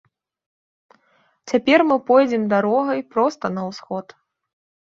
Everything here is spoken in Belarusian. Цяпер мы пойдзем дарогай проста на ўсход.